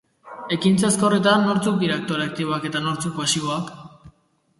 Ekintza ezkorretan, nortzuk dira aktore aktiboak eta nortzuk pasiboak?